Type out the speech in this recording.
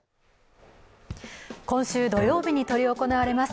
今週土曜日に執り行われます